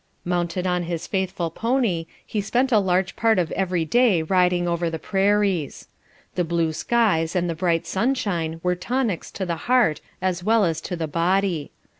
Mounted on his faithful pony, he spent a large part of every day riding over the prairies. The blue skies and the bright sunshine were tonics to the heart as well as to the body.